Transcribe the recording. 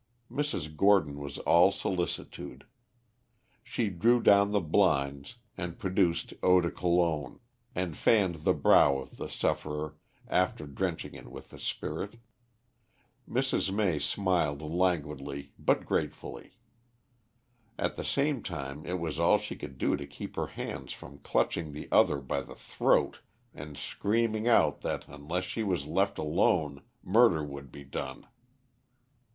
Mrs. Gordon was all solicitude. She drew down the blinds, and produced eau de Cologne, and fanned the brow of the sufferer after drenching it with the spirit. Mrs. May smiled languidly but gratefully. At the same time it was all she could do to keep her hands from clutching the other by the throat and screaming out that unless she was left alone murder would be done.